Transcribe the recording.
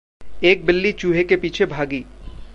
एक बिल्ली चूहे के पीछे भागी।